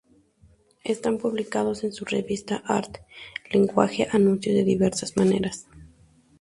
Están publicados en su revista "Art-Language" o anunciados de diversas maneras.